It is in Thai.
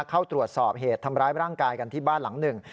เข้าตรวจสอบเหตุทำร้ายร่างกายกันที่บ้านหลังหนึ่ง